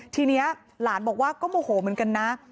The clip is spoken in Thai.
ทีนี้หลานบอกว่าก็โมโหเหมือนกันนะ